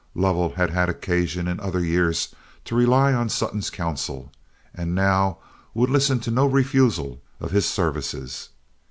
Lovell had had occasion in other years to rely on Sutton's counsel, and now would listen to no refusal of his services.